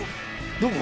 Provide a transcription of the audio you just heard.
どこ？